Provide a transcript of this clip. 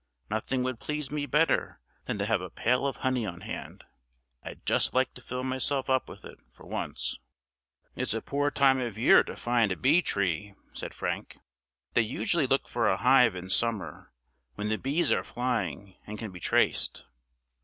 Nothing would please me better than to have a pail of honey on hand. I'd just like to fill myself up with it, for once." "It's a poor time of year to find a bee tree," said Frank. "They usually look for a hive in summer, when the bees are flying and can be traced.